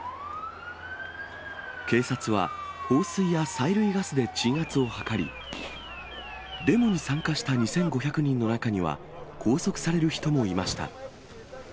警察は放水や催涙ガスで鎮圧を図り、デモに参加した２５００人の中には、拘束される人もいました。